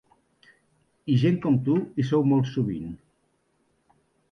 I gent com tu hi sou molt sovint.